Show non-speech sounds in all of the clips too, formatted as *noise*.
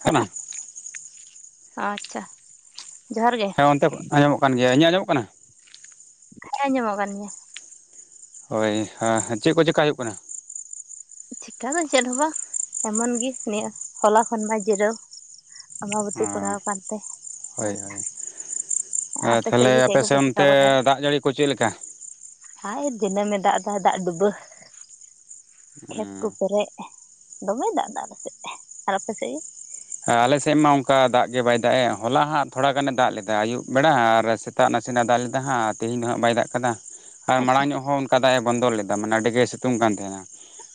ᱠᱟᱱᱟ ᱦᱮᱸᱢᱟ ᱟᱪᱪᱷᱟ ᱡᱚᱦᱟᱨ ᱜᱮ ᱾ ᱦᱮᱸ ᱚᱱᱛᱮ ᱟᱸᱡᱚᱢᱚᱜ ᱠᱟᱱ ᱜᱮᱭᱟ ᱤᱧᱟᱜ ᱟᱸᱡᱚᱢᱚᱜ ᱠᱟᱱᱟ ᱾ ᱦᱮᱸ ᱟᱡᱚᱢᱚᱜ ᱠᱟᱱ ᱜᱮᱭᱟ ᱾ ᱦᱳᱭ ᱦᱮᱸ ᱪᱮᱫ ᱠᱚ ᱪᱮᱠᱟ ᱦᱳᱭᱳᱜ ᱠᱟᱱᱟ ᱾ ᱪᱤᱠᱟ ᱫᱚ ᱪᱮᱫ ᱦᱚᱸ ᱵᱟᱝ ᱮᱢᱚᱱ ᱜᱤ ᱱᱤᱭᱟᱹ ᱦᱚᱞᱟ ᱠᱷᱚᱱ ᱢᱟ ᱡᱤᱨᱟᱹᱣ ᱾ ᱟᱢᱟᱵᱚᱛᱛᱤ ᱯᱟᱲᱟᱣ ᱠᱟᱱᱛᱮ ᱦᱮᱸ ᱾ ᱦᱮᱸ ᱛᱟᱦᱞᱮ ᱟᱯᱮ ᱥᱮᱫ ᱪᱤᱠᱟ ᱚᱱᱛᱮ ᱵᱟᱲᱟᱭᱟ ᱫᱟᱜᱽ ᱡᱟᱹᱲᱤ ᱠᱚ ᱪᱮᱫ ᱞᱮᱠᱟ ᱾ ᱦᱟᱭ ᱫᱤᱱᱟᱹᱢ ᱮ ᱫᱟᱜ ᱫᱟᱭ ᱫᱟᱜ ᱰᱩᱵᱟᱹ᱾ ᱠᱷᱮᱛ ᱠᱚ ᱯᱮᱨᱮᱡ ᱫᱚᱢᱮ ᱫᱟᱜ ᱫᱟ ᱟᱞᱮ ᱥᱮᱫ ᱟᱨ ᱟᱯᱮ ᱥᱮᱫ ᱜᱮ ᱾ ᱟᱞᱮ ᱥᱮᱫ ᱢᱟ ᱚᱱᱠᱟ ᱫᱟᱜ ᱜᱮ ᱵᱟᱭ ᱫᱟᱜ ᱮ ᱦᱚᱞᱟ ᱦᱟᱸᱜ ᱛᱷᱳᱲᱟ ᱜᱟᱱᱮ ᱫᱟᱜ ᱞᱮᱫᱟ ᱟᱹᱭᱩᱵ ᱵᱮᱲᱟ ᱟᱨ ᱥᱮᱛᱼᱼ ᱥᱮᱛᱟᱜ ᱱᱟᱥᱮᱱᱟᱜ ᱫᱟᱞ ᱞᱮᱫᱟ ᱦᱟᱸᱜ ᱛᱮᱦᱮᱧ ᱫᱚ ᱦᱟᱸᱜ ᱵᱟᱭ ᱫᱟᱜ ᱠᱟᱫᱟ ᱾ ᱟᱨ ᱟᱪᱪᱷᱟ ᱢᱟᱲᱟᱝ ᱧᱚᱜ ᱦᱚᱸ ᱚᱱᱠᱟ ᱫᱟᱜ ᱮ ᱵᱚᱱᱫᱚ ᱞᱮᱫᱟ ᱢᱟᱱᱮ ᱟᱹᱰᱤ ᱜᱮ ᱥᱤᱛᱩᱝ ᱠᱟᱱ ᱛᱟᱦᱮᱸᱱᱟ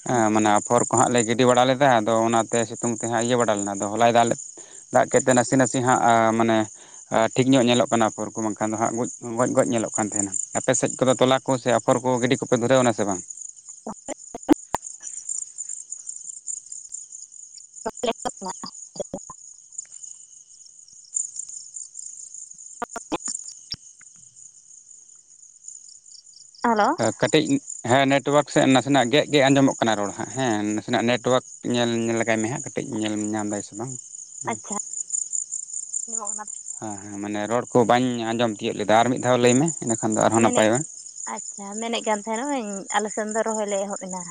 ᱦᱸ ᱟᱪᱪᱷᱟ ᱢᱟᱱᱮ ᱟᱯᱷᱚᱨ ᱠᱚ ᱦᱟᱸᱜ ᱞᱮ ᱜᱤᱰᱤ ᱵᱟᱲᱟ ᱞᱮᱫᱟ ᱟᱫᱚ ᱚᱱᱟᱛᱮ ᱥᱤᱛᱩᱝ ᱛᱮ ᱦᱟᱸᱜ ᱤᱭᱟᱹ ᱵᱟᱲᱟ ᱞᱮᱱᱟ ᱟᱫᱚ ᱦᱚᱞᱟᱭ ᱫᱟᱜ ᱞᱮᱫᱛᱮ ᱫᱟᱜ ᱠᱮᱫᱛᱮ ᱱᱟᱥᱮ ᱱᱟᱥᱮ ᱦᱟᱸᱜ ᱢᱟᱱᱮ ᱴᱷᱤᱠ ᱧᱚᱜ ᱧᱮᱞᱚᱜ ᱠᱟᱱᱟ ᱟᱯᱷᱚᱨ ᱠᱚ ᱵᱟᱝᱠᱷᱟᱱ ᱫᱚ ᱦᱟᱸᱜ ᱜᱚᱡ ᱜᱚᱡ ᱧᱮᱞᱚᱜ ᱠᱟᱱ ᱛᱟᱦᱮᱱᱟ ᱟᱯᱮ ᱥᱮᱫ ᱠᱚᱫᱚ ᱛᱚᱞᱟ ᱠᱚ ᱥᱮ ᱟᱯᱷᱚᱨ ᱠᱚ ᱜᱤᱰᱤ ᱠᱚᱯᱮ ᱫᱷᱩᱨᱟᱹᱣ ᱮᱱᱟ ᱥᱮ ᱵᱟᱝ *unintelligible* *unintelligible* ᱦᱮᱞᱳ ᱠᱟᱹᱴᱤᱡ ᱦᱮᱸ ᱱᱮᱴᱣᱟᱹᱨᱠ ᱥᱮᱫ ᱱᱟᱥᱮᱱᱟᱜ ᱜᱮᱜ ᱜᱮᱜ ᱟᱸᱡᱚᱢᱚᱜ ᱠᱟᱱᱟ ᱨᱚᱲ ᱦᱟᱸᱜ ᱦᱮᱸ ᱱᱟᱥᱮᱱᱟᱜ ᱱᱮᱴᱣᱟᱨᱠ ᱧᱮᱞ ᱞᱮᱟᱜᱟᱭ ᱢᱮ ᱦᱟᱸᱜ ᱠᱟᱹᱴᱤᱡ ᱧᱮᱞ ᱧᱟᱢ ᱫᱟᱭ ᱥᱮ ᱵᱟᱝ ᱱ ᱚᱱᱟ *inaudible* ᱦᱮᱸ ᱦᱮᱸ ᱢᱟᱱᱮ ᱨᱚᱲ ᱠᱚ ᱵᱟᱹᱧ ᱟᱸᱡᱚᱢ ᱛᱤᱭᱳᱜ ᱞᱮᱫᱟ ᱟᱨ ᱢᱤᱫ ᱫᱷᱟᱣ ᱞᱟᱹᱭᱢᱮ ᱤᱱᱟᱹᱠᱷᱟᱱ ᱫᱚ ᱟᱨᱦᱚᱸ ᱱᱟᱯᱟᱭᱚᱜᱼᱟ᱾ ᱟᱪᱷᱟ ᱢᱮᱱᱮᱫ ᱠᱟᱱ ᱛᱟᱦᱮᱱᱟᱹᱧ ᱟᱞᱮ ᱥᱮᱱ ᱫᱚ ᱨᱚᱦᱚᱭ ᱞᱮ ᱮᱦᱚᱵ ᱮᱱᱟ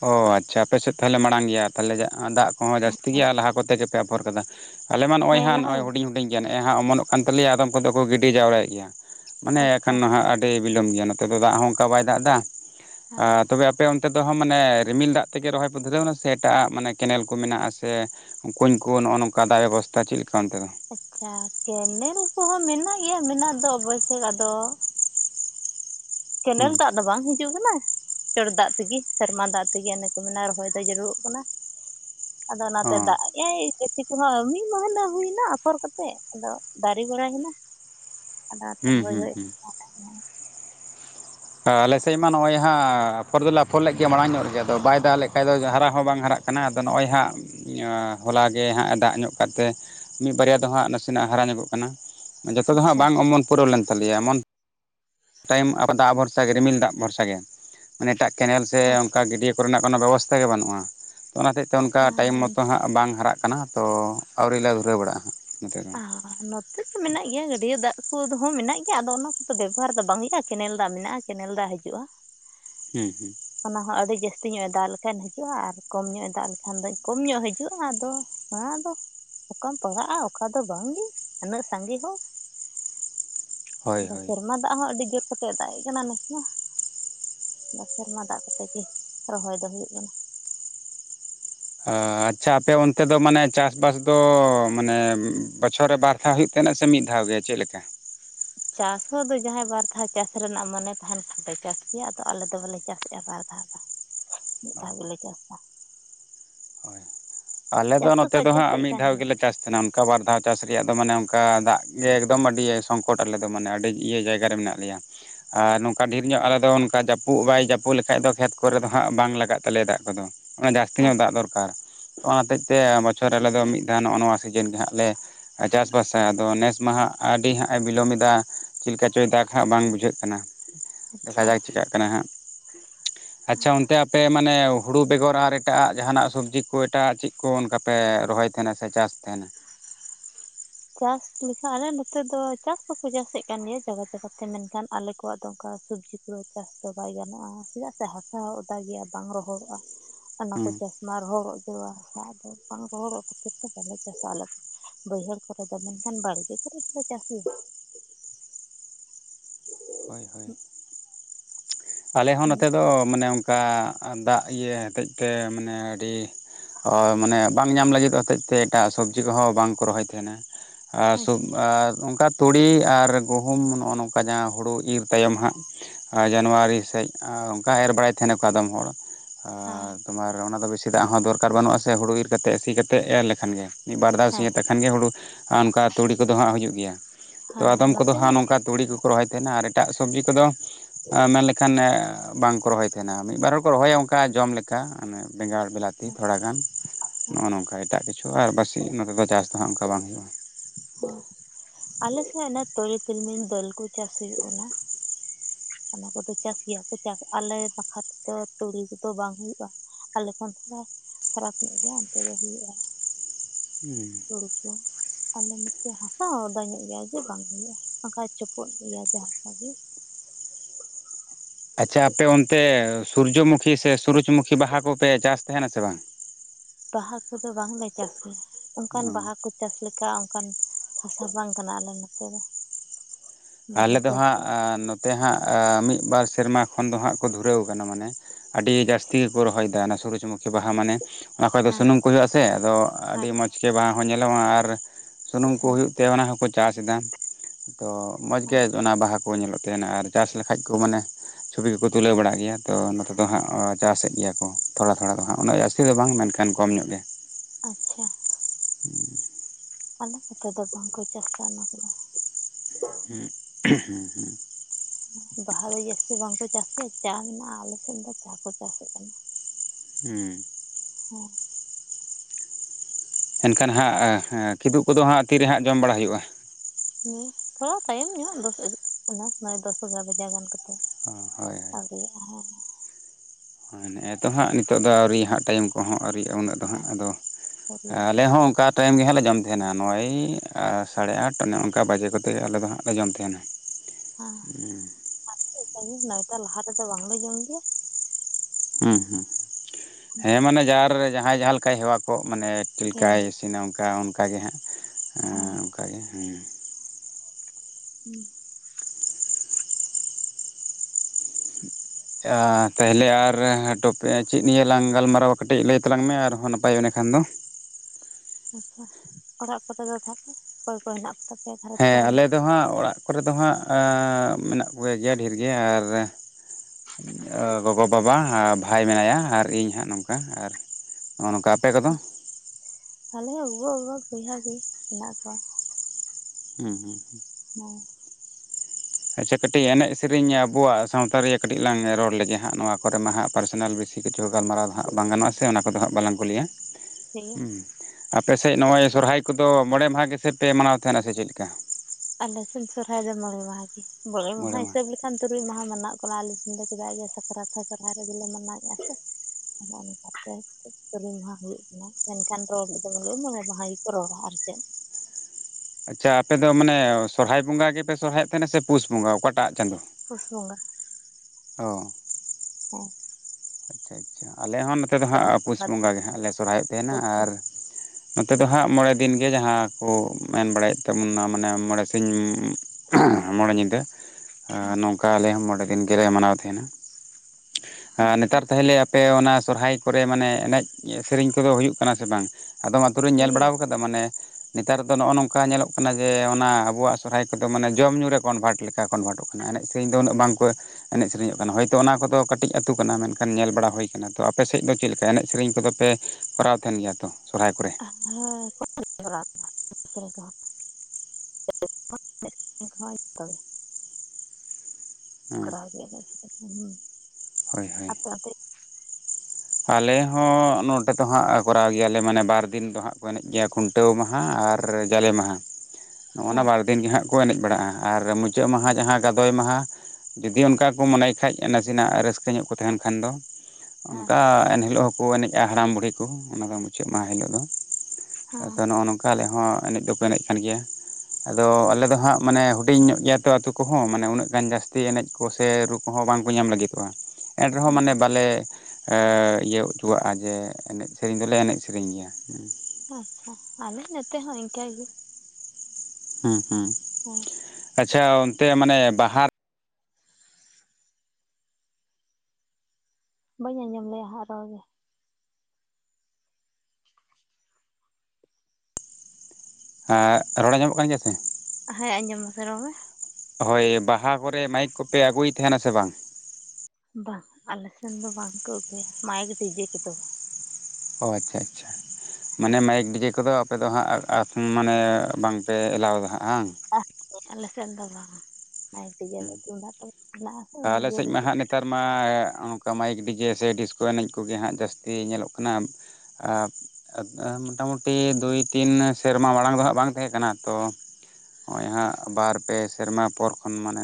ᱚ ᱟᱪᱷᱟ ᱟᱯᱮ ᱥᱮᱫ ᱛᱟᱦᱚᱞᱮ ᱢᱟᱲᱟᱝ ᱜᱮᱭᱟ ᱛᱟᱦᱚᱞᱮ ᱫᱟᱜ ᱠᱚᱦᱚᱸ ᱡᱟᱥᱛᱤ ᱜᱮᱭᱟ ᱟᱨ ᱞᱟᱦᱟ ᱠᱚᱛᱮ ᱜᱮᱯᱮ ᱟᱯᱷᱚᱨ ᱠᱟᱫᱟ ᱟᱞᱮ ᱢᱟ ᱱᱚᱜᱼᱚᱭ ᱦᱮᱸ ᱦᱟᱸᱜᱼ ᱱᱚᱜᱼᱚᱭ ᱞᱟᱦᱟᱭᱮᱱ ᱦᱩᱰᱤᱧ ᱦᱤᱰᱤᱧ ᱜᱤᱭᱟ ᱱᱮᱜ ᱮ ᱱᱟᱜ ᱚᱢᱚᱱᱚᱜ ᱠᱟᱱ ᱛᱟᱞᱮᱭᱟ ᱟᱫᱚᱢ ᱠᱚᱫᱚ ᱠᱚ ᱜᱤᱰᱤ ᱡᱟᱣᱨᱟᱭᱮᱫ ᱜᱮᱭᱟ ᱢᱟᱱᱮ ᱟᱪᱪᱷᱟ ᱱᱟᱜᱠᱷᱟᱱᱼᱼ ᱱᱟᱜ ᱟᱰᱤ ᱵᱤᱞᱚᱢ ᱜᱮᱭᱟ ᱱᱚᱛᱮᱫᱚ ᱫᱟᱜ ᱦᱚᱸ ᱚᱱᱠᱟ ᱵᱟᱭ ᱫᱟᱜ ᱫᱟ ᱟ ᱛᱚᱵᱮ ᱟᱯᱮ ᱚᱱᱛᱮ ᱫᱚ ᱢᱟᱱᱮ ᱨᱤᱢᱤᱞ ᱫᱟᱜ ᱛᱮᱜᱮ ᱨᱚᱦᱚᱭ ᱯᱮ ᱫᱷᱩᱨᱟᱹᱣᱱᱟ ᱥᱮ ᱮᱴᱟᱜ ᱟᱜ ᱢᱟᱱᱮ ᱠᱮᱱᱮᱞ ᱠᱚ ᱢᱮᱱᱟᱜᱼᱟ ᱥᱮ ᱠᱩᱧ ᱠᱚ ᱱᱚᱜᱼᱚ ᱱᱚᱜᱚ ᱱᱠᱟ ᱫᱟᱜ ᱵᱮᱵᱚᱥᱛᱟ ᱪᱮᱫ ᱞᱮᱠᱟ ᱚᱱᱛᱮ ᱫᱚ ᱟᱪᱷᱟ ᱠᱮᱱᱮᱞ ᱠᱚᱦᱚᱸ ᱢᱮᱱᱟᱜ ᱜᱮᱭᱟ ᱢᱮᱱᱟᱜ ᱫᱚ ᱚᱵᱚᱥ ᱥᱚ ᱟᱫᱚ ᱠᱮᱱᱮᱞ ᱦᱩᱸ ᱫᱟᱜ ᱫᱚ ᱵᱟᱝ ᱦᱤᱡᱩᱜ ᱠᱟᱱᱟ ᱪᱟᱸᱴ ᱫᱟᱜ ᱛᱮᱜᱮ ᱥᱮᱨᱢᱟ ᱫᱟᱜ ᱛᱮᱜᱮ ᱟᱞᱮ ᱠᱚ ᱥᱮᱱ ᱟ ᱨᱚᱦᱚᱭ ᱫᱚ ᱡᱟᱹᱨᱩᱲᱚᱜ ᱠᱟᱱᱟ ᱟᱫᱚ ᱚ ᱱᱚᱛᱮ ᱫᱟᱜ ᱮᱫ ᱟᱭ ᱜᱟᱹᱪᱷᱤ ᱠᱚᱦᱚᱸ ᱢᱤᱫ ᱢᱟᱦᱱᱟ ᱦᱩᱭᱮᱱᱟ ᱟᱯᱷᱚᱨ ᱠᱟᱛᱮ ᱟᱫᱚ ᱫᱟᱨᱮ ᱵᱟᱲᱟᱭᱮᱱᱟ᱾ ᱟᱫᱟᱛᱮ ᱦᱩᱸ ᱨᱚᱦᱚᱭ ᱦᱩᱸ ᱦᱩᱭᱩ *inaudible* ᱦᱩᱸ ᱟᱞᱮᱥᱮᱫ ᱢᱟ ᱱᱚᱜᱼᱚᱭ ᱦᱟᱜ ᱯᱷᱳᱚᱨ ᱫᱚᱮᱞ ᱟᱯᱷᱳᱱ ᱞᱮᱫ ᱜᱮᱭᱟ ᱢᱟᱲᱟᱝ ᱧᱚᱜ ᱨᱮᱜᱮ ᱟᱫᱚ ᱵᱟᱭ ᱫᱟᱜ ᱞᱮᱫ ᱠᱷᱟᱱ ᱫᱚ ᱦᱟᱨᱟ ᱦᱚᱸ ᱵᱟᱝ ᱦᱟᱨᱟᱜ ᱠᱟᱱᱟ ᱠᱟᱱᱟ ᱟᱫᱚ ᱱᱚᱜᱼᱭ ᱦᱟᱸᱜ ᱧᱚᱸ ᱦᱚᱞᱟ ᱜᱮ ᱦᱟᱸᱜ ᱫᱟᱜ ᱧᱚᱜ ᱠᱟᱫᱛᱮ ᱢᱤᱫ ᱵᱟᱨᱭᱟ ᱫᱚ ᱦᱟᱸᱜ ᱱᱟᱥᱮᱱᱟᱜ ᱦᱟᱨᱟ ᱧᱚᱜᱚᱜ ᱠᱟᱱᱟ ᱡᱚᱛᱚ ᱫᱚ ᱦᱟᱸᱜ ᱟᱪᱪᱷᱟ ᱵᱟᱝ ᱚᱢᱚᱱ ᱯᱩᱨᱟᱹᱣ ᱞᱮᱱ ᱛᱟᱞᱮᱭᱟ ᱮᱢᱚᱱ ᱴᱟᱭᱤᱢ ᱟᱨ ᱫᱟᱜ ᱨᱤᱢᱤᱞ ᱫᱟᱜ ᱵᱷᱚᱨᱥᱟ ᱜᱮ ᱢᱟᱱᱮ ᱮᱴᱟᱜ ᱠᱮᱱᱮᱞ ᱥᱮ ᱟᱪᱪᱷᱟ ᱚᱱᱠᱟ ᱜᱟᱹᱰᱭᱟᱹ ᱠᱚ ᱠᱚᱨᱮᱱᱟᱜ ᱠᱚᱱᱳ ᱵᱮᱵᱚᱥᱛᱷᱟ ᱜᱮ ᱵᱟᱹᱱᱩᱜᱼᱟ ᱛᱚ ᱚᱱᱟ ᱦᱚᱛᱮᱡᱛᱮ ᱚᱱᱠᱟ ᱴᱟᱭᱤᱢ ᱟᱨ ᱢᱚᱛᱚ ᱦᱟᱸᱜ ᱵᱟᱝ ᱦᱟᱨᱟᱜ ᱠᱟᱱᱟ ᱛᱚ ᱟᱹᱣᱨᱤ ᱞᱮ ᱫᱷᱩᱨᱟᱹᱣ ᱵᱟᱲᱟᱜᱼᱟ ᱦᱟᱸᱜ ᱱᱚᱛᱮᱫᱚ ᱱᱚᱛᱮ ᱫᱚ ᱢᱮᱱᱟᱜ ᱜᱮᱭᱟ ᱜᱟᱹᱰᱭᱟᱹ ᱫᱟᱜ ᱠᱚᱦᱚ ᱢᱮᱱᱟᱜ ᱜᱮᱭᱟ ᱟᱫᱚ ᱚᱱᱟ ᱠᱚᱫᱚ ᱵᱮᱵᱚᱦᱟᱨ ᱫᱚ ᱵᱟᱝ ᱦᱩᱭᱩᱜᱼᱟ ᱠᱮᱱᱮᱞ ᱫᱟᱜ ᱢᱮᱱᱟᱜᱼᱟ ᱠᱮᱱᱮᱞ ᱫᱟᱜ ᱦᱤᱡᱩᱜᱼᱟ ᱦᱩᱸ - ᱦᱩᱸ ᱚᱱᱟ ᱦᱚᱸ ᱟᱹᱰᱤ ᱡᱟᱹᱥᱛᱤ ᱧᱚᱜ ᱮ ᱫᱟᱜ ᱞᱮᱠᱷᱟᱱ ᱦᱤᱡᱩᱜᱼᱟ ᱟᱨ ᱠᱚᱢ ᱧᱚᱜ ᱮ ᱫᱟᱜ ᱞᱮᱠᱷᱟᱱ ᱫᱚ ᱠᱚᱢ ᱧᱚᱜ ᱦᱤᱡᱩᱜᱼᱟ ᱟᱫᱚ ᱚᱱᱟ ᱫᱚ ᱚᱠᱟᱢ ᱯᱟᱲᱟᱜᱼᱟ ᱚᱠᱟ ᱫᱚ ᱵᱟᱝᱜᱮ ᱩᱱᱟᱹᱜ ᱥᱟᱸᱜᱮ ᱦᱚᱸ ᱦᱳᱭ ᱦᱳᱭ ᱥᱮᱨᱢᱟ ᱫᱚ ᱫᱟᱜ ᱦᱚᱸ ᱟᱹᱰᱤ ᱡᱳᱨ ᱠᱟᱛᱮ ᱫᱟᱜᱮᱡ ᱠᱟᱱᱟ ᱱᱚᱛᱮ ᱦᱚᱸ ᱥᱮᱨᱢᱟ ᱫᱟᱜ ᱠᱚᱛᱮ ᱜᱮ ᱨᱚᱦᱚᱭ ᱫᱚ ᱦᱩᱭᱩᱜ ᱠᱟᱱᱟ ᱟ ᱟᱪᱷᱟ ᱟᱯᱮ ᱚᱱᱛᱮ ᱫᱚ ᱢᱟᱱᱮ ᱪᱟᱥᱵᱟᱥ ᱫᱚ ᱢᱟᱱᱮ ᱵᱚᱪᱷᱚᱨ ᱨᱮ ᱵᱟᱨ ᱫᱷᱟᱣ ᱦᱩᱭᱩᱜ ᱛᱟᱦᱮᱱᱟ ᱥᱮ ᱢᱤᱫ ᱫᱷᱟᱣ ᱜᱮ ᱪᱮᱫ ᱞᱮᱠᱟ ᱪᱟᱥ ᱦᱚᱸᱫᱚ ᱡᱟᱦᱟᱸᱭ ᱵᱟᱨ ᱫᱷᱟᱣ ᱪᱟᱥ ᱨᱮᱱᱟᱜ ᱢᱚᱱᱮ ᱛᱟᱦᱮᱱ ᱠᱷᱟᱱ ᱠᱚ ᱪᱟᱥ ᱜᱮᱭᱟ ᱟᱫᱚ ᱟᱞᱮ ᱫᱚ ᱵᱟᱞᱮ ᱪᱟᱥᱮᱫᱼᱟ ᱵᱟᱨ ᱫᱷᱟᱣ ᱫᱚ ᱢᱤᱫ ᱫᱷᱟᱣ ᱜᱮᱞᱮ ᱪᱟᱥᱫᱟ ᱦᱳᱭ ᱟᱞᱮ ᱫᱚ ᱪᱟᱥ ᱱᱚᱛᱮ ᱫᱚᱠᱚ ᱫᱚ ᱦᱟᱸᱜ ᱪᱟᱥᱮᱫ ᱢᱤᱫ ᱠᱟᱱ ᱫᱷᱟᱣ ᱜᱮᱭᱟ ᱜᱮᱞᱮ ᱪᱟᱥ ᱛᱟᱦᱮᱱᱟ ᱚᱱᱠᱟ ᱵᱟᱨ ᱫᱷᱟᱣ ᱪᱟᱥ ᱨᱮᱭᱟᱜ ᱫᱚ ᱢᱟᱱᱮ ᱚᱱᱠᱟ ᱫᱟᱜ ᱜᱮ ᱮᱠᱫᱚᱢ ᱟᱹᱰᱤ ᱥᱚᱝᱠᱚᱴ ᱟᱞᱮᱫᱚ ᱢᱟᱱᱮ ᱟᱹᱰᱤ ᱤᱭᱟᱹ ᱡᱟᱭᱜᱟᱨᱮ ᱢᱮᱱᱟᱜ ᱞᱮᱭᱟ᱾ ᱟᱨ ᱱᱚᱝᱠᱟ ᱰᱷᱮᱨ ᱧᱚᱜ ᱟᱞᱮ ᱫᱚ ᱚᱱᱠᱟ ᱡᱟᱹᱯᱩᱫ ᱵᱟᱭ ᱡᱟᱹᱯᱩ ᱞᱮᱠᱷᱟᱡ ᱫᱚ ᱠᱷᱮᱛ ᱠᱚᱨᱮ ᱫᱚ ᱦᱟᱸᱜ ᱵᱟᱝ ᱞᱟᱜᱟᱜ ᱛᱟᱞᱮᱭᱟ ᱫᱟᱜ ᱠᱚᱫᱚ ᱡᱟᱹᱥᱛᱤ ᱧᱚᱜ ᱫᱟᱜ ᱫᱚᱨᱠᱟᱨ ᱛᱚ ᱚᱱᱟ ᱦᱚᱛᱮᱡ ᱛᱮ ᱵᱚᱪᱷᱚᱨ ᱨᱮ ᱟᱞᱮ ᱫᱚ ᱢᱤᱫ ᱫᱷᱟᱣ ᱱᱚᱜᱼ ᱱᱚᱣᱟ ᱥᱤᱡᱤᱱ ᱜᱮ ᱦᱟᱸᱜ ᱞᱮ ᱪᱟᱥᱵᱟᱥᱟ ᱟᱫᱚ ᱱᱮᱥ ᱢᱟ ᱦᱟᱸᱜ ᱟᱹᱰᱤ ᱦᱟᱸᱜᱼ ᱮ ᱵᱤᱞᱚᱢ ᱮᱫᱟ᱾ ᱪᱮᱫ ᱞᱮᱠᱟ ᱪᱚᱭ ᱫᱟᱜᱽ ᱦᱟᱸᱜ ᱵᱟᱝ ᱵᱩᱡᱷᱟᱹᱜ ᱠᱟᱱᱟ ᱫᱮᱠᱷᱟ ᱟᱪᱪᱷᱟ ᱡᱟᱠ ᱪᱤᱠᱟᱹᱜ ᱠᱟᱱᱟ᱾ ᱦᱟᱸᱜ ᱟᱪᱷᱟ ᱚᱱᱛᱮ ᱟᱯᱮ ᱢᱟᱱᱮ ᱦᱩᱲᱩ ᱵᱮᱜᱚᱨ ᱟᱨ ᱮᱴᱟᱜ ᱡᱟᱦᱟᱱᱟᱜ ᱥᱚᱵᱡᱤ ᱠᱚ ᱮᱴᱟᱜ ᱟᱜ ᱪᱮᱫ ᱠᱚ ᱚᱱᱠᱟ ᱯᱮ ᱨᱚᱦᱚᱭ ᱛᱟᱦᱮᱱᱟ ᱥᱮ ᱪᱟᱥ ᱛᱟᱦᱮᱱᱟ? ᱪᱟᱥ ᱞᱮᱠᱟ ᱟᱞᱮ ᱱᱚᱛᱮ ᱫᱚ ᱪᱟᱥ ᱵᱟᱠᱚ ᱪᱟᱥᱮᱫ ᱠᱟᱱ ᱜᱮᱭᱟ ᱡᱟᱜᱟ ᱡᱟᱜᱟ ᱛᱮ ᱢᱮᱱᱠᱷᱟᱱ ᱟᱞᱮ ᱠᱚᱣᱟᱜ ᱫᱚ ᱚᱱᱠᱟ ᱥᱚᱵᱽᱡᱤ ᱠᱚᱫᱚ ᱪᱟᱥ ᱫᱚ ᱵᱟᱭ ᱜᱟᱱᱚᱜᱼᱟ ᱪᱮᱫᱟᱜ ᱥᱮ ᱦᱟᱥᱟ ᱦᱚᱸ ᱚᱫᱟ ᱜᱮᱭᱟ ᱵᱟᱝ ᱨᱚᱦᱚᱲᱚᱜᱼᱟ᱾ *inaudible* ᱚᱱᱟ ᱠᱚ ᱪᱟᱥ ᱢᱟ ᱨᱚᱦᱚᱲᱚᱜ ᱜᱮ ᱦᱟᱥᱟ ᱫᱚ ᱵᱟᱝ ᱨᱚᱦᱚᱜ ᱠᱷᱟᱹᱛᱤᱨ ᱛᱮ ᱵᱟᱞᱮ ᱪᱟᱥᱟ ᱟᱞᱮ ᱵᱟᱹᱭᱦᱟᱹᱲ ᱠᱚᱨᱮ ᱫᱚ ᱢᱮᱱᱠᱷᱟᱱ ᱵᱟᱲᱜᱮ ᱠᱚᱨᱮ ᱫᱚᱞᱮ ᱪᱟᱥ ᱜᱮᱭᱟ ᱦᱳᱭ ᱦᱳᱭ ᱟᱞᱮ ᱦᱚᱸ ᱱᱚᱛᱮ ᱫᱚ ᱢᱟᱱᱮ ᱚᱱᱠᱟ ᱫᱟᱜ ᱤᱭᱟᱹ ᱦᱚᱛᱮᱡ ᱛᱮ ᱢᱟᱱᱮ ᱟᱹᱰᱤ ᱢᱟᱱᱮ ᱵᱟᱝ ᱧᱟᱢ ᱞᱟᱹᱜᱤᱫ ᱦᱚᱛᱮᱡ ᱛᱮ ᱮᱴᱟᱜ ᱥᱚᱵᱽᱡᱤ ᱠᱚᱦᱚᱸ ᱵᱟᱝᱠᱚ ᱨᱚᱦᱚᱭ ᱛᱟᱦᱮᱱᱟ ᱟᱨ ᱥᱚᱵ ᱟᱪᱪᱷᱟ ᱟᱨ ᱚᱱᱠᱟ ᱛᱩᱲᱤ ᱟᱨ ᱜᱩᱦᱩᱢ ᱱᱚᱜᱼᱚ ᱱᱚᱝᱠᱟ ᱡᱟᱦᱟᱸ ᱦᱩᱲᱳ ᱤᱨᱻ ᱛᱟᱭᱚᱢ ᱦᱟᱸᱜ ᱡᱟᱱᱣᱟᱨᱤ ᱥᱮᱡ ᱚᱱᱠᱟ ᱮᱨ ᱵᱟᱲᱟᱭ ᱛᱟᱦᱮᱱᱟᱠᱚ ᱟᱫᱚᱢ ᱦᱚᱲ ᱟᱨ ᱛᱳᱢᱟᱨ ᱚᱱᱟ ᱫᱚ ᱵᱮᱥᱤ ᱫᱟᱜ ᱦᱚᱸ ᱫᱚᱨᱠᱟᱨ ᱵᱟᱹᱱᱩᱜᱼᱟ ᱥᱮ ᱦᱩᱲᱩ ᱤᱨ ᱠᱟᱛᱮᱫ ᱥᱤ ᱠᱟᱛᱮᱫ ᱮᱨ ᱞᱮᱠᱷᱟᱱ ᱜᱮ᱾ ᱢᱤᱫ ᱵᱟᱨ ᱫᱷᱟᱣ ᱦᱮᱸ ᱦᱮᱸ ᱥᱤᱭᱟᱛᱟᱜ ᱠᱷᱟᱱ ᱜᱮ ᱦᱩᱲᱩ ᱟᱨ ᱚᱱᱠᱟ ᱛᱩᱲᱤ ᱠᱚᱫᱚ ᱦᱟᱸᱜ ᱦᱩᱭᱩᱜ ᱜᱮᱭᱟ ᱛᱚ ᱦᱮᱸ ᱟᱫᱚᱢ ᱠᱚᱫᱚ ᱱᱚᱛᱮ ᱦᱟᱸᱜ ᱦᱚᱸ ᱱᱚᱝᱠᱟ ᱛᱩᱲᱤ ᱠᱚᱠᱚ ᱨᱚᱦᱚᱭ ᱛᱟᱦᱮᱱᱟ ᱟᱨ ᱮᱴᱟᱜ ᱥᱚᱵᱡᱤ ᱠᱚᱫᱚ ᱢᱮᱱᱞᱮᱠᱷ ᱮᱠᱷᱟᱱ ᱵᱟᱝᱠᱚ ᱨᱚᱦᱚᱭ ᱛᱟᱦᱮᱱᱟ ᱢᱤᱫ ᱵᱟᱨ ᱦᱚᱲᱠᱚ ᱨᱚᱦᱚᱭᱟ ᱚᱱᱠᱟ ᱡᱚᱢ ᱞᱮᱠᱟ ᱢᱟᱱᱮ ᱵᱮᱸᱜᱟᱲ ᱵᱤᱞᱤᱹᱛᱤ ᱛᱷᱚᱲᱟ ᱜᱟᱱ ᱱᱚᱜᱼᱚ ᱱᱚᱝᱠᱟ ᱮᱴᱟᱜ ᱠᱤᱪᱷᱩ ᱟᱨ ᱵᱟᱥᱤ ᱱᱚᱛᱮ ᱫᱚ ᱪᱟᱥ ᱫᱚᱦᱟᱜ ᱚᱱᱠᱟ ᱵᱟᱝ ᱦᱩᱭᱩᱜᱼᱟ᱾ ᱚ ᱟᱞᱮᱥᱮᱫ ᱟᱱᱮ ᱛᱚᱲᱤ ᱛᱤᱞᱢᱤᱧ ᱫᱟᱹᱞ ᱠᱩ ᱪᱟᱥ ᱦᱩᱭᱩᱜ ᱠᱟᱱᱟ ᱚᱱᱟ ᱠᱚᱫᱚ ᱪᱟᱥ ᱜᱮᱭᱟ ᱠᱚ ᱪᱟᱥ ᱟᱞᱮ ᱱᱟᱠᱷᱟ ᱛᱮᱫᱚ ᱛᱩᱲᱤ ᱠᱚᱫᱚ ᱵᱟᱝ ᱦᱩᱭᱩᱜᱼᱟ᱾ ᱟᱞᱮ ᱠᱷᱚᱱ ᱛᱷᱚᱲᱟ ᱯᱷᱟᱨᱟᱠ ᱧᱚᱜ ᱜᱮᱭᱟ ᱚᱱᱛᱮ ᱫᱚ ᱦᱩᱭᱩᱜᱼᱟ᱾ ᱦᱮᱸ ᱛᱩᱲᱤ ᱠᱩ ᱟᱞᱮ ᱱᱚᱛᱮ ᱦᱟᱥᱟ ᱦᱚ ᱚᱫᱟ ᱧᱚᱜ ᱜᱮᱭᱟ ᱡᱮ ᱵᱟᱝ ᱦᱩᱭᱩᱜᱼᱟ ᱵᱟᱝᱠᱷᱟ ᱪᱚᱯᱚᱫ ᱜᱮᱭᱟ ᱡᱮ ᱦᱟᱥᱟ ᱫᱚ ᱟᱪᱪᱷᱟ ᱟᱯᱮ ᱚᱱᱛᱮ ᱥᱩᱨᱡᱚᱢᱩᱠᱷᱤ ᱥᱮ ᱥᱩᱨᱩᱡᱢᱩᱠᱷᱤ ᱵᱟᱦᱟ ᱠᱚᱯᱮ ᱪᱟᱥ ᱛᱟᱦᱮᱱᱟ ᱥᱮ ᱵᱟᱝ? ᱵᱟᱦᱟ ᱠᱚᱫᱚ ᱵᱟᱝᱞᱮ ᱪᱟᱥ ᱜᱮᱭᱟ ᱚᱱᱠᱟᱱ ᱵᱟᱦᱟ ᱠᱚ ᱪᱟᱥ ᱞᱮᱠᱟ ᱚᱱᱠᱟᱱ ᱦᱟᱥᱟ ᱵᱟᱝ ᱠᱟᱱᱟ ᱟᱞᱮ ᱱᱚᱛᱮ ᱫᱚ᱾ ᱵᱟᱞᱮ ᱟᱞᱮ ᱫᱚ ᱪᱟᱥᱮᱜᱼᱟ ᱦᱟᱸᱜ ᱱᱚᱛᱮ ᱦᱟᱸᱜ ᱢᱤᱫᱵᱟᱨ ᱥᱮᱨᱢᱟ ᱠᱷᱚᱱ ᱫᱚ ᱦᱟᱸᱜ ᱠᱚ ᱫᱷᱩᱨᱟᱹᱣ ᱟᱠᱟᱱᱟ ᱢᱟᱱᱮ ᱟᱹᱰᱤ ᱟᱪᱪᱷᱟ ᱡᱟᱥᱛᱤ ᱜᱮ ᱠᱚ ᱨᱚᱦᱚᱭ ᱮᱟ ᱥᱚᱨᱩᱡᱢᱩᱠᱷᱤ ᱵᱟᱦᱟ ᱢᱟᱱᱮ ᱚᱱᱟ ᱠᱷᱚᱱ ᱦᱮᱸ ᱥᱩᱱᱩᱢ ᱠᱚ ᱠᱚ ᱦᱩᱭᱩᱜᱼᱟ ᱥᱮ ᱟᱫᱚ ᱦᱮᱸ ᱟᱹᱰᱤ ᱢᱚᱡᱽ ᱜᱮ ᱵᱟᱦᱟ ᱦᱚᱸ ᱧᱮᱞᱚᱜᱼᱟ ᱟᱨ ᱥᱩᱱᱩᱢ ᱠᱚ ᱦᱮᱸ ᱦᱩᱭᱩᱜ ᱛᱮ ᱚᱱᱟ ᱦᱚᱸᱠᱚ ᱪᱟᱥ ᱮᱫᱟ ᱛᱚ ᱢᱚᱸᱡᱽ ᱦᱮᱸ ᱜᱮ ᱚᱱᱟ ᱵᱟᱦᱟ ᱠᱚ ᱧᱮᱞᱚᱜ ᱛᱟᱦᱮᱱᱟ ᱟᱨ ᱪᱟᱥ ᱞᱮᱠᱷᱟᱡ ᱠᱚ ᱢᱟᱱᱮ ᱪᱷᱩᱵᱤ ᱠᱚᱠᱚ ᱛᱩᱞᱟᱹᱣ ᱵᱟᱲᱟᱜ ᱜᱮᱭᱟ᱾ ᱛᱚ ᱱᱚᱛᱮ ᱫᱚ ᱦᱟᱸᱜ ᱪᱟᱥᱮᱫ ᱜᱮᱭᱟ ᱠᱚ ᱛᱷᱚᱲᱟ ᱛᱷᱚᱲᱟ ᱫᱚ ᱦᱟᱜ ᱩᱱᱟᱹᱜ ᱡᱟᱹᱥᱛᱤ ᱫᱚ ᱵᱟᱝ ᱢᱮᱱᱠᱷᱟᱱ ᱠᱚᱢ ᱧᱚᱜ ᱜᱮ ᱟᱪᱪᱷᱟ *inaudible* ᱟᱞᱮ ᱱᱚᱛᱮ ᱫᱚ ᱵᱟᱝᱠᱚ ᱪᱟᱥ ᱟ ᱚᱱᱟ ᱠᱚᱫᱚ *inaudible* ᱵᱟᱦᱟ ᱫᱚ ᱡᱟᱹᱥᱛᱤ ᱵᱟᱝᱠᱚ ᱪᱟᱥ ᱜᱮᱭᱟ ᱪᱟ ᱢᱮᱱᱟᱜᱼᱟ ᱟᱞᱮᱥᱮᱫ ᱫᱚ ᱪᱟ ᱠᱚ ᱪᱟᱥᱮᱫ ᱠᱟᱱᱟ᱾ ᱦᱩᱸ ᱦᱮᱸ ᱮᱱᱠᱷᱟᱱ ᱦᱟᱸᱜ ᱠᱤᱫᱩᱵ ᱠᱚᱫᱚ ᱦᱟᱸᱜ ᱛᱤᱨᱮ ᱦᱟᱸᱜ ᱡᱚᱢ ᱵᱟᱲᱟ ᱦᱩᱭᱩᱜᱼᱟ? ᱦᱩ ᱛᱷᱚᱲᱟ ᱛᱟᱭᱚᱢ ᱧᱚᱜ ᱫᱚᱥ ᱮ ᱚᱱᱟ ᱱᱚ ᱫᱚᱥ ᱮᱜᱟᱨᱚ ᱵᱟᱡᱟᱜ ᱜᱟᱱ ᱠᱟᱛᱮ ᱦᱳᱭ ᱟᱹᱣᱨᱤᱭᱟᱜ ᱦᱚᱸ ᱱᱮᱜ ᱮ ᱛᱚ ᱦᱟᱸᱜ ᱱᱤᱛᱚᱜ ᱫᱚ ᱟᱹᱣᱨᱤ ᱦᱟᱸᱜ ᱴᱟᱹᱭᱤᱢ ᱠᱚᱦᱚ ᱟᱹᱣᱨᱤᱼᱟ ᱩᱱᱟᱹᱜ ᱛᱚᱦᱟᱸᱜ ᱦᱮᱸ ᱟᱫᱚ ᱟᱹᱣᱨᱤᱭᱟᱜᱼᱟ ᱟᱞᱮ ᱦᱚᱸ ᱚᱱᱠᱟ ᱴᱟᱭᱤᱢ ᱜᱮ ᱦᱟᱸᱜ ᱞᱮ ᱡᱚᱢ ᱛᱟᱦᱮᱱᱟ ᱱᱚᱭ ᱥᱟᱲᱮ ᱟᱴ ᱱᱚᱜ ᱱᱚᱝᱠᱟ ᱵᱟᱡᱮ ᱠᱚᱛᱮ ᱟᱞᱮ ᱫᱚ ᱦᱟᱸᱜ ᱞᱮ ᱡᱚᱢ ᱛᱟᱦᱮᱱᱟ᱾ ᱦᱮᱸ ᱠᱟᱴᱮ ᱴᱟᱹᱭᱤᱢ ᱱᱚᱭᱴᱟ ᱞᱟᱦᱟ ᱨᱮᱫᱚ ᱵᱟᱝᱞᱮ ᱡᱚᱢ ᱜᱮᱭᱟ᱾ ᱦᱚᱸᱻᱦᱚᱸᱻᱦᱚᱸ ᱦᱮᱸ ᱢᱟᱱᱮ ᱡᱟᱨ ᱡᱟᱦᱟᱭ ᱡᱟᱦᱟ ᱞᱮᱠᱟᱭ ᱦᱮᱣᱟ ᱠᱚᱜ ᱢᱟᱱᱮ ᱪᱮᱫ ᱞᱮᱠᱟᱭ ᱚᱱᱮ ᱚᱱᱠᱟ ᱚᱱᱠᱟᱜ ᱜᱮ ᱦᱟᱸᱜ ᱦᱮᱸ ᱦᱮᱸ ᱚᱱᱠᱟᱜᱮ ᱦᱩᱸᱻ᱾ ᱦᱩᱸᱻ ᱾ ᱛᱟᱦᱞᱮ ᱟᱨ ᱴᱚᱯᱮᱡ ᱪᱮᱫ ᱱᱤᱭᱟᱹᱞᱟᱝ ᱜᱟᱞᱢᱟᱨᱟᱣᱟ ᱠᱟᱹᱴᱤᱡ ᱞᱟᱹᱭ ᱛᱟᱞᱟᱝ ᱢᱮ ᱟᱨᱦᱚ ᱱᱟᱯᱟᱭᱚᱜᱼᱟ ᱤᱱᱟᱹᱠᱷᱟᱱ ᱫᱚ᱾ ᱟᱪᱪᱷᱟ ᱚᱲᱟᱜ ᱠᱚᱨᱮ ᱫᱚ ᱛᱟᱦᱚᱞᱮ ᱚᱠᱚᱭ ᱠᱚ ᱦᱮᱱᱟᱜ ᱯᱮᱛᱮ? ᱦᱮᱸ ᱟᱞᱮ ᱫᱚ ᱦᱟᱸᱜ ᱚᱲᱟᱜ ᱠᱚᱨᱮ ᱫᱚ ᱦᱟᱸᱜ ᱟᱸᱜᱻ ᱢᱮᱱᱟᱜ ᱠᱚᱜᱮ ᱜᱮᱭᱟ ᱰᱷᱮᱨᱜᱮᱭᱟ ᱟᱨ᱾ ᱚᱻ ᱜᱚᱜᱚ ᱵᱟᱵᱟ ᱵᱷᱟᱭ ᱢᱮᱱᱟᱭᱟ ᱟᱨ ᱤᱧ ᱦᱟᱸᱜ ᱱᱚᱝᱠᱟ ᱟᱨ ᱱᱚᱜ ᱚ ᱱᱚᱝᱠᱟ᱾ ᱟᱯᱮ ᱠᱚᱫᱚ ᱟᱞᱮ ᱩᱣᱟᱹ ᱩᱣᱟᱹ ᱵᱚᱭᱦᱟ ᱜᱮ ᱦᱮᱱᱟᱜ ᱠᱚᱣᱟ᱾ ᱦᱩᱸ ᱦᱸᱩᱜ᱾ ᱦᱚᱸᱻ ᱟᱪᱪᱷᱟ ᱠᱟᱹᱴᱤᱡᱽ ᱮᱱᱮᱡ ᱥᱮᱨᱮᱧ ᱟᱵᱚᱣᱟᱜ ᱥᱟᱶᱛᱟ ᱨᱮᱭᱟᱜ ᱞᱟᱝ ᱨᱚᱲ ᱞᱮᱜᱮ ᱦᱟᱸᱜ ᱱᱚᱣᱟ ᱠᱚᱨᱮ ᱢᱟ ᱦᱟᱸᱜ ᱯᱟᱨᱥᱚᱱᱟᱞ ᱵᱤᱥᱤ ᱠᱤᱪᱷᱩ ᱜᱟᱞᱢᱟᱨᱟᱣ ᱫᱚ ᱦᱟᱸᱜ ᱵᱟᱝ ᱜᱟᱱᱚᱜᱼᱟ ᱥᱮ ᱚᱱᱟ ᱠᱚᱫᱚ ᱦᱟᱸᱜ ᱵᱟᱝᱞᱟᱝ ᱠᱩᱞᱤᱭᱟ᱾ ᱦᱮᱸ ᱦᱩᱸ ᱟᱯᱮ ᱥᱮᱫ ᱱᱚᱜᱼᱚᱭ ᱥᱚᱨᱦᱟᱭ ᱠᱚᱫᱚ ᱢᱚᱬᱮ ᱢᱟᱦᱟ ᱜᱮᱥᱮ ᱯᱮ ᱢᱟᱱᱟᱣ ᱛᱟᱦᱮᱱᱟ ᱥᱮ ᱪᱮᱫᱞᱮᱠᱟ? ᱟᱞᱮᱥᱮᱱ ᱥᱚᱨᱦᱟᱭ ᱫᱚ ᱢᱚᱬᱮ ᱢᱟᱦᱟ ᱜᱮ ᱢᱚᱬᱮ ᱢᱟᱦᱟ ᱦᱤᱥᱟᱹᱵᱽ᱾ ᱮᱠᱷᱟᱱ ᱛᱩᱨᱩᱭᱡ ᱢᱟᱦᱟ ᱢᱟᱱᱟᱣ ᱠᱟᱱᱟ ᱟᱞᱮ ᱥᱮᱱ ᱫᱚ ᱪᱮᱫᱟᱜ ᱤᱭᱟᱹ ᱥᱟᱠᱨᱟᱛ ᱦᱚᱸ ᱥᱚᱨᱦᱟᱭ ᱨᱮᱜᱮᱞᱮ ᱢᱟᱱᱟᱣᱮᱜᱼᱟ ᱥᱮ᱾ ᱟᱫᱚ ᱚᱱᱠᱟᱛᱮ ᱛᱩᱨᱩᱭ ᱢᱟᱦᱟ ᱦᱩᱭᱩᱜ ᱠᱟᱱᱟ ᱢᱮᱱᱠᱷᱟᱱ ᱫᱚ ᱢᱚᱬᱮ ᱢᱟᱦᱟ ᱜᱮᱠᱚ ᱨᱚᱲᱟ ᱟᱨ ᱪᱮᱫ? ᱟᱪᱪᱷᱟ ᱟᱯᱮᱫᱚ ᱢᱟᱱᱮ ᱥᱚᱨᱦᱟᱭ ᱵᱚᱸᱜᱟ ᱜᱮᱯᱮ ᱥᱚᱨᱦᱟᱭᱮᱫ ᱛᱟᱦᱮᱱᱟ ᱥᱮ ᱯᱩᱥ ᱵᱚᱸᱜᱟ ᱚᱠᱟᱴᱟᱜ ᱪᱟᱸᱫᱳ? ᱯᱩᱥ ᱵᱚᱸᱜᱟ᱾ ᱚᱸᱻ ᱾ ᱳ ᱾ ᱟᱪᱪᱷᱟ ᱟᱪᱪᱷᱟ ᱟᱞᱮ ᱦᱚᱸ ᱱᱚᱛᱮ ᱫᱚ ᱦᱟᱸᱜ ᱯᱩᱥ ᱥᱚᱨᱦᱟᱭ ᱵᱚᱸᱜᱟ ᱜᱮ ᱦᱟᱸᱜ ᱞᱮ ᱥᱚᱨᱦᱟᱭᱚᱜ ᱛᱟᱦᱮᱱᱟ ᱯᱩᱥ ᱟᱨ ᱵᱚᱸᱜᱟ ᱱᱚᱛᱮ ᱫᱚ ᱦᱟᱸᱜ ᱢᱚᱬᱮ ᱫᱤᱱ ᱜᱮ ᱡᱟᱦᱟ ᱠᱚ ᱢᱮᱱ ᱵᱟᱲᱟᱭᱮᱫ ᱛᱟᱵᱚᱱᱟ ᱢᱟᱱᱮ ᱢᱚᱬᱮ ᱥᱤᱧ ᱚᱸᱜᱦᱸ ᱢᱚᱬᱮ ᱧᱤᱫᱟᱹ ᱱᱚᱝᱠᱟ ᱟᱞᱮᱦᱚ ᱢᱬᱮᱫᱤᱱ ᱜᱮᱞᱮ ᱢᱟᱱᱟᱣ ᱛᱟᱦᱮᱱᱟ᱾ ᱟᱪᱪᱷᱟ ᱱᱮᱛᱟᱨ ᱛᱟᱦᱚᱞᱮ ᱟᱯᱮ ᱚᱱᱟ ᱥᱚᱨᱦᱟᱭ ᱠᱚᱨᱮ ᱢᱟᱱᱮ ᱮᱱᱮᱡ ᱥᱮᱨᱮᱧ ᱠᱚᱫᱚ ᱦᱩᱭᱩᱜ ᱠᱟᱱᱟ ᱥᱮ ᱵᱟᱝ ᱟᱫᱚ ᱯᱩᱨᱟᱹᱧ ᱧᱮᱞ ᱦᱳᱭ ᱵᱟᱲᱟᱣ ᱟᱠᱟᱫᱟ ᱢᱟᱱᱮ ᱱᱮᱛᱟᱨ ᱫᱚ ᱱᱚᱜᱼᱚ ᱱᱚᱝᱠᱟ ᱧᱮᱞᱚᱜ ᱠᱟᱱᱟ ᱡᱮ ᱚᱱᱟ ᱟᱵᱚᱣᱟᱜ ᱥᱚᱨᱦᱟᱭ ᱠᱚᱫᱚ ᱢᱟᱱᱮ ᱡᱚᱢ ᱧᱩ ᱨᱮ ᱠᱚᱱᱵᱷᱟᱴ ᱞᱮᱠᱟ ᱠᱚᱱᱵᱷᱟᱴᱚᱜ ᱠᱟᱱᱟ᱾ ᱮᱱᱮᱡ ᱥᱮᱨᱮᱧ ᱫᱚ ᱩᱱᱟᱹᱜ ᱵᱟᱝᱠᱚ ᱮᱱᱮᱡ ᱥᱮᱨᱮᱧᱚᱜ ᱠᱟᱱᱟ ᱦᱚᱳᱭᱛᱚ ᱚᱱᱟ ᱠᱚᱫᱚ ᱠᱟᱹᱴᱤᱡᱽ ᱟᱹᱛᱩ ᱠᱟᱱᱟ ᱢᱮᱱᱠᱷᱟᱱ ᱧᱮᱞ ᱵᱟᱲᱟ ᱦᱩᱭ ᱠᱟᱱᱟ ᱛᱚ ᱟᱯᱮᱥᱮᱫ ᱫᱚ ᱪᱮᱫ ᱞᱮᱠᱟ ᱮᱱᱮᱡ ᱥᱮᱨᱮᱧ ᱠᱚᱫᱚ ᱯᱮ ᱠᱚᱨᱟᱣ ᱛᱟᱦᱮᱱ ᱜᱮᱭᱟ ᱛᱚ ᱥᱚᱨᱦᱟᱭ ᱠᱚᱨᱮᱜ? ᱦᱮᱸ ᱠᱚᱨᱟᱣ *unintelligible* ᱤᱧᱠᱷᱚᱡ ᱦᱮᱸ ᱠᱚᱨᱟᱣ ᱜᱮᱭᱟ ᱞᱮ ᱪᱤᱠᱟᱹ ᱛᱟᱦᱮᱱ᱾ ᱦᱳᱭ ᱦᱳᱭ ᱾ ᱟᱞᱮ ᱦᱚᱸ ᱱᱚᱰᱮ ᱫᱚ ᱦᱟᱸᱜ ᱠᱚᱨᱟᱣ ᱜᱮᱭᱟᱞᱮ ᱢᱟᱱᱮ ᱵᱟᱨ ᱫᱤᱱ ᱫᱚ ᱦᱟᱸᱜ ᱠᱚ ᱮᱱᱮᱡ ᱜᱮᱭᱟ ᱠᱷᱩᱱᱴᱟᱹᱣ ᱢᱟᱦᱟ᱾ ᱦᱟᱸᱜ ᱟᱨ ᱡᱟᱞᱮ ᱢᱟᱦᱟ ᱱᱚᱜᱼᱚ ᱦᱮᱸ ᱱᱚᱣᱟ ᱵᱟᱨ ᱫᱤᱱ ᱦᱟᱸᱜ ᱠᱚ ᱮᱱᱮᱡ ᱵᱟᱲᱟᱜᱼᱟ᱾ ᱟᱨ ᱢᱩᱪᱟᱹᱫ ᱢᱟᱦᱟ ᱡᱟᱦᱟ ᱜᱟᱫᱚᱭ ᱢᱟᱦᱟ ᱡᱩᱚᱫᱤ ᱚᱱᱠᱟ ᱠᱚ ᱢᱚᱱᱮᱭ ᱠᱷᱟᱡ ᱱᱟᱥᱮᱱᱟᱜ ᱨᱟᱹᱥᱠᱟᱹ ᱧᱚᱜ ᱠᱚ ᱛᱟᱦᱮᱱ ᱠᱷᱟᱱ ᱫᱚ ᱦᱮᱸ ᱟ ᱮᱱ ᱦᱤᱞᱳᱜ ᱦᱚᱸᱠᱚ ᱮᱱᱮᱡ ᱟ ᱦᱟᱲᱟᱢ ᱵᱩᱰᱦᱤ ᱠᱚ ᱚᱱᱟ ᱫᱚ ᱢᱩᱪᱟᱹᱫ ᱢᱟᱦᱟ ᱦᱤᱞᱳᱜ ᱫᱚ ᱦᱮᱸ ᱟᱫᱚ ᱱᱚᱜ ᱚᱸ ᱱᱚᱝᱠᱟ᱾ ᱠᱟ ᱞᱮᱜ ᱦᱚᱸ ᱮᱱᱮᱡ ᱫᱚᱠᱚ ᱮᱱᱮᱡ ᱠᱟᱱ ᱜᱮᱭᱟ ᱾ ᱟᱫᱚ ᱟᱞᱮ ᱫᱚ ᱦᱟᱸᱜ ᱢᱟᱱᱮ ᱦᱩᱰᱤᱧ ᱧᱚᱜ ᱜᱮᱭᱟ ᱛᱚ ᱟᱛᱩ ᱠᱚᱦᱚᱸ ᱢᱟᱱᱮ ᱩᱱᱟᱹᱜ ᱜᱟᱱ ᱡᱟᱹᱥᱛᱤ ᱮᱱᱮᱡ ᱠᱚ ᱥᱮ ᱨᱩ ᱠᱚᱦᱚᱸ ᱵᱟᱝᱠᱚ ᱧᱟᱢ ᱞᱟᱹᱜᱤᱫᱚᱜᱼᱟ ᱮᱱᱨᱮᱦᱚᱸ ᱦᱮᱸ ᱢᱟᱱᱮ ᱵᱟᱞᱮ ᱮᱸᱻ ᱤᱭᱟᱹ ᱦᱚᱪᱚᱣᱟᱜᱼᱟ ᱡᱮ ᱮᱱᱮᱡ ᱥᱮᱨᱮᱧ ᱫᱚᱞᱮ ᱮᱱᱮᱡ ᱥᱮᱨᱮᱧ ᱜᱮᱭᱟ ᱦᱩᱸ᱾ ᱟᱪᱪᱷᱟ ᱟᱞᱮ ᱱᱚᱛᱮ ᱦᱚ ᱤᱱᱠᱟᱹ ᱜᱮ᱾ ᱦᱩᱸ ᱦᱩᱸ ᱾ ᱳ ᱾ ᱟᱪᱪᱷᱟ ᱚᱱᱛᱮ ᱢᱟᱱᱮ ᱵᱟᱦᱟᱨ ᱵᱟᱹᱧ ᱟᱸᱡᱚᱢ ᱞᱮᱭᱟ ᱟᱜ ᱨᱚᱲ ᱜᱮ ᱨᱚᱲ ᱟᱡᱚᱢᱚᱜ ᱠᱟᱱ ᱜᱮᱭᱟ ᱥᱮ᱾ ᱦᱮᱸ ᱟᱸᱡᱚᱢ ᱢᱟᱥᱮ ᱨᱚᱲ ᱢᱮ᱾ ᱦᱳᱭ ᱵᱟᱦᱟ ᱠᱚᱨᱮ ᱢᱟᱭᱤᱠ ᱠᱚᱯᱮ ᱟᱹᱜᱩᱭ ᱛᱟᱦᱮᱱᱟ ᱥᱮ ᱵᱟᱝ᱾ ᱵᱟᱜ ᱟᱞᱮᱥᱮᱱ ᱫᱚ ᱵᱟᱝ ᱠᱚ ᱟᱹᱜᱩᱭᱟ ᱢᱟᱭᱤᱠ ᱰᱤᱡᱮ ᱠᱚ ᱫᱚ᱾ ᱚ ᱟᱪᱪᱷᱟ ᱟᱪᱪᱷᱟ ᱦᱮᱸ ᱢᱟᱱᱮ ᱢᱟᱭᱤᱠ ᱰᱤᱡᱮ ᱠᱚ ᱫᱚ᱾ ᱟᱯᱮ ᱫᱚ ᱦᱟᱸᱜ ᱢᱟᱱᱮ ᱵᱟᱝ ᱯᱮ ᱮᱞᱟᱣ ᱫᱟ ᱦᱟᱸ᱾ *unintelligible* ᱟᱞᱮ ᱥᱮᱱ ᱫᱚ ᱵᱟᱝ ᱢᱟᱞᱤᱠ ᱛᱮᱜᱮᱞᱮ ᱵᱟᱝ ᱛᱩᱢᱫᱟᱜ ᱴᱟᱢᱟᱠ ᱢᱮᱱᱟᱜ ᱢᱮᱱᱟ-ᱟ ᱟᱞᱮ ᱤᱱᱟᱹᱜᱮ ᱥᱮᱫ ᱨᱩ ᱢᱟ ᱠᱟᱛᱮ᱾ ᱦᱟᱸᱜ ᱱᱮᱛᱟᱨ ᱢᱟ ᱚᱱᱠᱟ ᱢᱟᱭᱤᱠ ᱰᱤᱡᱮ ᱥᱮ ᱰᱤᱥᱠᱳ ᱮᱱᱮᱡ ᱠᱚ ᱜᱮ ᱦᱟᱸᱜ ᱡᱟᱹᱥᱛᱤ ᱧᱮᱞᱚᱜ ᱠᱟᱱᱟ ᱾ *inaudible* ᱢᱚᱴᱟᱢᱩᱴᱤ ᱫᱩᱭ ᱛᱤᱱ ᱥᱮᱨᱢᱟ ᱢᱟᱲᱟᱝ ᱫᱚ ᱵᱟᱝ ᱛᱟᱦᱮᱸ ᱠᱟᱱᱟ ᱛᱚ᱾ ᱱᱚᱜᱼᱚᱭ ᱦᱟᱸᱜ ᱵᱟᱨ ᱯᱮ ᱥᱮᱨᱢᱟ ᱯᱚᱨ ᱠᱷᱚᱱ ᱢᱟᱱᱮ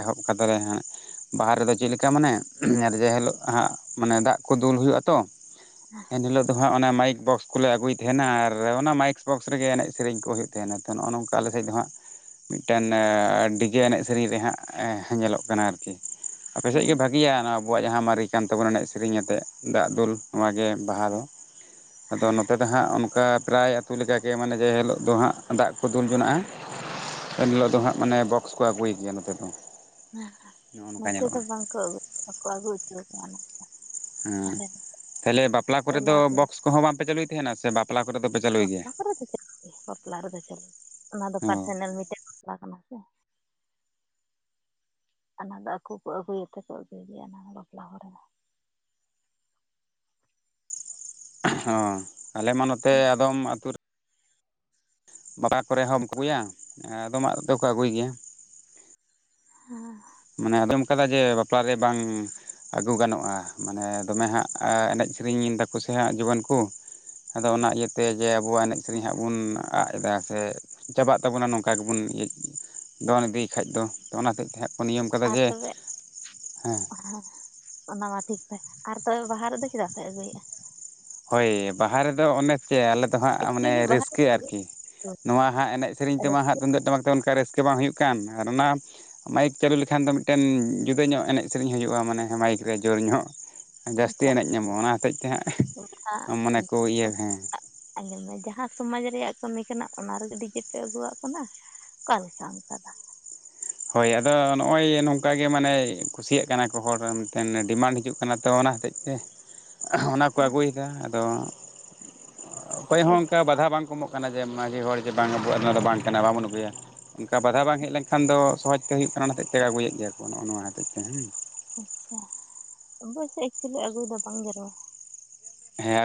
ᱮᱦᱚᱵ ᱠᱟᱫᱟ ᱞᱮ ᱦᱟᱸᱜ᱾ ᱵᱟᱦᱟ ᱨᱮ ᱫᱚ ᱪᱮᱫ ᱞᱮᱠᱟ ᱢᱟᱱᱮ ᱡᱮ ᱦᱤᱞᱳᱜ ᱦᱟᱜ ᱢᱟᱱᱮ ᱫᱟᱜ ᱠᱚ ᱫᱩᱞ ᱦᱩᱭᱩᱜ-ᱟ ᱛᱚ᱾ ᱮᱱ ᱦᱤᱞᱳᱜ ᱫᱚ ᱦᱟᱸᱜ ᱚᱱᱟ ᱢᱟᱭᱤᱠ ᱵᱚᱠᱥ᱾ ᱟᱹᱜᱩᱭ ᱛᱟᱦᱮᱱᱟ ᱟᱨ ᱚᱱᱟ ᱢᱟᱭᱤᱠ ᱵᱚᱠᱥ ᱨᱮᱜᱮ ᱮᱱᱮᱡ ᱥᱮᱨᱮᱧ ᱠᱚ ᱦᱩᱭᱩᱜ ᱛᱟᱦᱮᱱᱟ ᱾ ᱛᱚ ᱱᱚᱜ ᱱᱚᱝᱠᱟ ᱟᱞᱮ ᱥᱮᱫ ᱫᱚ ᱦᱟᱸᱜ᱾ ᱢᱤᱫ ᱴᱟᱱ ᱰᱤᱡᱮ ᱮᱱᱮᱡ᱾ ᱥᱮᱨᱮᱧ ᱨᱮᱦᱟᱸᱜ ᱧᱮᱞᱚᱜ ᱠᱟᱱᱟ ᱟᱨᱠᱤ ᱾ ᱟᱯᱮ ᱥᱮᱫ ᱜᱮ ᱵᱷᱟᱹᱜᱤᱭᱟ ᱱᱚᱣᱟ᱾ ᱟᱵᱚᱣᱟᱜ ᱡᱟᱦᱟᱸ ᱢᱟᱨᱮ ᱠᱟᱱ ᱛᱟᱵᱚᱱᱟ, ᱮᱱᱮᱡ ᱥᱮᱨᱮᱧ ᱟᱛᱮᱫ ᱫᱟᱜ ᱫᱩᱞ ᱱᱚᱣᱟ ᱜᱮ ᱵᱟᱦᱟ ᱫᱚ ᱟᱫᱚ ᱱᱚᱛᱮ᱾ ᱫᱚ ᱦᱟᱸᱜ ᱚᱱᱠᱟ ᱯᱨᱟᱭ ᱟᱹᱛᱩ ᱞᱮᱠᱟ ᱜᱮ ᱢᱟᱱᱮ ᱡᱮ ᱦᱤᱞᱳᱜ ᱫᱚ ᱦᱟᱸᱜ ᱫᱟᱜ ᱠᱚ ᱫᱩᱞ ᱡᱚᱱᱟᱜ-ᱟ᱾ ᱮᱱ ᱦᱤᱞᱳᱜ ᱫᱚ ᱦᱸᱜ ᱢᱟᱱᱮ ᱵᱚᱠᱥ ᱠᱚ ᱟᱹᱜᱩᱭ ᱜᱮᱭᱟ ᱱᱚᱛᱮ ᱫᱚ ᱾ ᱦᱮᱸ ᱱᱚᱛᱮ ᱫᱚ ᱵᱟᱝ ᱠᱚ ᱵᱟᱠᱚ ᱟᱹᱜᱩ ᱚᱪᱚᱠᱚᱣᱟ ᱾ ᱦᱚᱸ ᱛᱟᱦᱞᱮ ᱵᱟᱯᱞᱟ ᱠᱚᱨᱮᱫ ᱫᱚ ᱮᱞᱟᱣ ᱵᱚᱠᱥ ᱠᱚᱦᱚᱸ ᱵᱟᱝᱯᱮ ᱪᱟᱹᱞᱩᱭ ᱛᱟᱦᱮᱸᱱᱟ ᱥᱮ ᱵᱟᱯᱞᱟ ᱠᱚ ᱨᱮ ᱫᱚ ᱯᱮ᱾ ᱵᱟᱯᱞᱟ ᱠᱚᱨᱮ ᱫᱚ ᱪᱟᱹᱞᱩ ᱨᱮᱭᱟ ᱵᱟᱯᱞᱟ ᱨᱮ ᱫᱚ ᱪᱟᱹᱞᱟᱜ ᱚᱱᱟ ᱫᱚ ᱚ ᱯᱟᱨᱥᱚᱱᱟᱞ ᱢᱤᱴᱟᱱ ᱵᱟᱯᱞᱟ ᱠᱟᱱᱟ ᱥᱮ᱾ ᱚᱱᱟ ᱫᱚ ᱟᱠᱚ ᱠᱚ ᱟᱹᱜᱩᱭ ᱛᱮ ᱠᱚ ᱟᱹᱜᱩᱭ ᱜᱮᱭᱟ ᱚᱱᱟ ᱫᱚ ᱵᱟᱯᱞᱟ ᱦᱚᱲ ᱨᱮ᱾ ᱦᱚᱸ ᱟᱞᱮ ᱢᱟ ᱱᱚ ᱛᱮ ᱟᱫᱚᱢ ᱟᱛ ᱨᱮ᱾ *unintelligible* ᱠᱚ ᱨᱮ ᱦᱚᱸᱢ ᱟᱹᱜᱩᱭᱟ ᱟᱫᱚᱢᱟᱜ ᱨᱮ ᱫᱚ ᱟᱹᱜᱩᱭ ᱜᱮᱭᱟ᱾ *inaudible* ᱢᱟᱱᱮ ᱟᱫᱚᱢ ᱠᱟᱫᱟ ᱡᱮ ᱵᱟᱯᱞᱟ ᱨᱮ ᱵᱟᱝ᱾ ᱟᱹᱜᱩ ᱜᱟᱱᱚᱜ-ᱟ, ᱢᱟᱱᱮ ᱫᱚᱢᱮ ᱦᱟᱸᱜ ᱮᱱᱮᱡ ᱥᱮᱨᱮᱧ ᱫᱟᱠᱚ ᱥᱮ ᱦᱟᱸᱜ ᱡᱩᱣᱟᱹᱱ ᱠᱚ᱾ ᱟᱫᱚ ᱚᱱᱟ ᱤᱭᱟᱹ ᱛᱮ ᱡᱮ ᱟᱵᱚᱣᱟᱜ ᱮᱱᱮᱡ ᱥᱮᱨᱮᱧ ᱦᱟᱸᱜ ᱵᱚᱱ ᱟᱫ᱾ ᱪᱮᱫᱟᱜ ᱥᱮ ᱪᱟᱵᱟᱜ ᱛᱟᱵᱚᱱᱟ, ᱱᱚᱝᱠᱟ ᱜᱮᱵᱚᱱ ᱫᱚᱱ ᱤᱫᱤᱭ ᱠᱷᱟᱡ ᱫᱚ ᱚᱱᱟ ᱦᱚᱸᱛᱮᱫ ᱛᱮ ᱦᱸᱟᱜ᱾ ᱱᱤᱭᱚᱢ ᱠᱟᱫᱟ ᱟᱨ ᱡᱮ ᱛᱚᱵᱮ ᱦᱮᱸ᱾ *inaudible* ᱚᱱᱟ ᱢᱟ ᱴᱷᱤᱠ ᱯᱮ, ᱟᱨ ᱛᱚᱵᱮ ᱵᱟᱦᱟ ᱨᱮ ᱫᱚ ᱪᱮᱫᱟᱜ ᱯᱮ ᱟᱹᱜᱩᱭᱮᱫ-ᱟ᱾ ᱦᱳᱭ ᱵᱟᱦᱟ ᱨᱮ ᱫᱚ ᱚᱱᱮ᱾ ᱪᱮ ᱟᱞᱮ ᱫᱚ ᱦᱟᱸᱜ ᱢᱟᱱᱮ ᱮᱠᱪᱩᱭᱮᱞᱤ ᱵᱟᱦᱟ ᱨᱟᱹᱥᱠᱟᱹ ᱨᱮᱫᱚ ᱟᱨᱠᱤ, ᱱᱚᱣᱟ ᱦᱟᱸᱜ ᱮᱱᱮᱡ ᱥᱮᱨᱮᱧ ᱛᱮᱢᱟ ᱦᱟᱸᱜ ᱛᱩᱢᱫᱟᱹᱜ ᱴᱟᱢᱟᱠ ᱛᱮ ᱚᱱᱠᱟ ᱨᱟᱹᱥᱠᱟᱹ᱾ ᱵᱟᱝ ᱦᱩᱭᱩᱜ ᱠᱟᱱ ᱟᱨ ᱚᱱᱟ ᱢᱟᱭᱤᱠ ᱪᱟᱹᱞᱩ ᱞᱮᱠᱷᱟᱱ ᱫᱚ ᱢᱤᱫᱴᱮᱱ᱾ ᱡᱩᱫᱟᱹ ᱧᱚᱜ ᱮᱱᱮᱡ ᱥᱮᱨᱮᱧ ᱦᱩᱭᱩᱜ-ᱟ, ᱢᱟᱱᱮ ᱦᱮᱸ ᱢᱟᱭᱤᱠ ᱨᱮ ᱡᱳᱨ ᱧᱚᱜ ᱡᱟᱹᱥᱛᱤ ᱮᱱᱮᱡ ᱧᱟᱢᱚᱜ-ᱟ ᱚᱱᱟ ᱦᱚᱛᱮᱡ ᱛᱮ ᱦᱟᱸᱜ᱾ ᱢᱟᱱᱮ ᱠᱚ ᱤᱭᱟᱹ ᱦᱮᱸ *inaudible* ᱟᱸᱡᱚᱢ ᱢᱮ ᱡᱟᱸᱦᱟᱸ ᱥᱚᱢᱟᱡᱽ ᱨᱮᱭᱟᱜ ᱠᱟᱹᱢᱤ ᱠᱟᱱᱟ ᱚᱱᱟ ᱨᱮ ᱜᱮ ᱰᱤᱡᱮ ᱯᱮ ᱟᱹᱜᱩᱣᱟᱜ ᱠᱟᱱᱟ᱾ ᱠᱟ ᱞᱮᱠᱟ ᱚᱱᱠᱟᱫᱚ᱾ ᱦᱳᱭ ᱟᱫᱚ ᱱᱚᱜ ᱚᱭ ᱱᱚᱝᱠᱟ ᱜᱮ ᱢᱟᱱᱮ ᱠᱩᱥᱤᱭᱟᱜ ᱠᱟᱱᱟ ᱠᱚ ᱦᱚᱲ ᱢᱮᱱ ᱛᱮ ᱰᱤᱢᱟᱱᱰ ᱦᱤᱡᱩᱜ ᱠᱟᱱᱟ ᱛᱚ ᱚᱱᱟ ᱦᱚᱛᱮᱡ ᱛᱮ᱾ ᱚᱱᱟ ᱠᱚ ᱟᱹᱜᱩᱭᱮᱫᱟ ᱟᱫᱚ ᱦᱮᱸ ᱚᱠᱚᱭ ᱦᱚᱸ ᱚᱱᱠᱟ ᱵᱟᱫᱷᱟ ᱵᱟᱝᱠᱚ ᱮᱢᱚᱜ᱾ ᱠᱟᱱᱟ ᱡᱮ ᱢᱟᱺᱡᱷᱤ ᱦᱚᱲ ᱡᱮ ᱵᱟᱝ ᱟᱵᱚᱣᱟᱜ ᱱᱚᱣᱟ ᱫᱚ ᱵᱟᱝ ᱠᱟᱱᱟ ᱵᱟᱵᱚᱱ ᱟᱹᱜᱩᱭᱟ ᱚᱱᱠᱟ ᱵᱟᱫᱷᱟ ᱵᱟᱝ ᱦᱮᱡ ᱞᱮᱱᱠᱷᱟᱱ ᱫᱚ᱾ ᱥᱚᱦᱚᱡ ᱛᱮ ᱦᱩᱭᱩᱜ ᱠᱟᱱᱟ ᱚᱱᱟ ᱦᱚᱛᱮᱡ ᱛᱮ ᱠᱚ ᱟᱹᱜᱩᱭᱮᱫ ᱜᱮᱭᱟ ᱠᱚ ᱱᱚᱜ ᱱᱚᱣᱟ ᱦᱚᱛᱮᱡ ᱛᱮ ᱦᱩᱸ ᱟᱪᱪᱷᱟ ᱚᱵᱚ ᱪᱮᱫ ᱠᱷᱟᱞᱤ ᱟᱹᱜᱩ ᱫᱚ ᱵᱟᱝ ᱡᱩᱨᱩᱨᱟ ᱦᱮᱸ